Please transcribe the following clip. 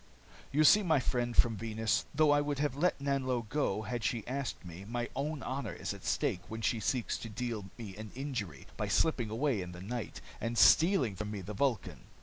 "You see, my friend from Venus, though I would have let Nanlo go had she asked me, my own honor is at stake when she seeks to deal me an injury by slipping away in the night, and stealing from me the Vulcan.